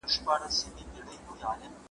که ظالم ته سزا ورنکړل سي نو فساد خپریږي.